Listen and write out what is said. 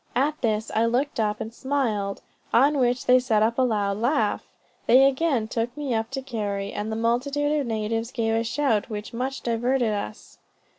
At this I looked up and smiled, on which they set up a loud laugh. They again took me up to carry, and the multitude of natives gave a shout which much diverted us.